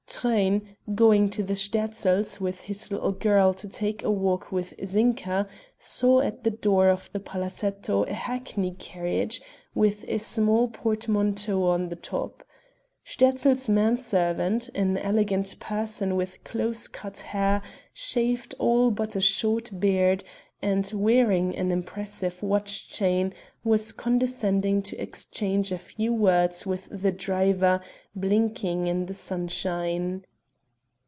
Truyn, going to the Sterzls' with his little girl to take a walk with Zinka, saw at the door of the palazetto a hackney carriage with a small portmanteau on the top. Sterzl's man servant, an elegant person with close cut hair, shaved all but a short beard, and wearing an impressive watch chain, was condescending to exchange a few words with the driver blinking in the sunshine.